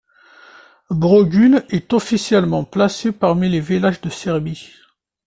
Brgule est officiellement classé parmi les villages de Serbie.